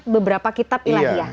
beberapa kitab ilahiyah